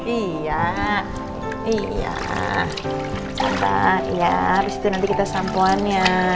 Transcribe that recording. iya iya benar ya ratan ke kendaraan ya